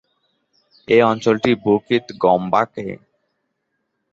এই অঞ্চলটি বুকিত গম্বাক-এ।